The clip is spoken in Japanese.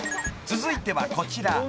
［続いてはこちら］